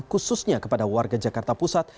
khususnya kepada warga jakarta pusat